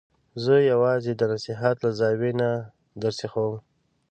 زه یې یوازې د نصحت له زاویې نه درسیخوم.